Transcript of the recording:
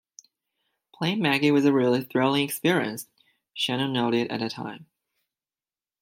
"Playing Maggie was a really thrilling experience," Shannon noted at the time.